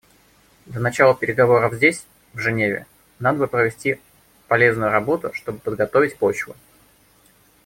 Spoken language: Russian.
До начала переговоров здесь, в Женеве, надо провести полезную работу, чтобы подготовить почву.